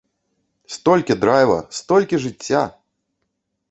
Столькі драйва, столькі жыцця!